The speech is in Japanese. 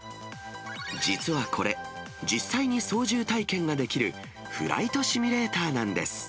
実はこれ、実際に操縦体験ができる、フライトシミュレーターなんです。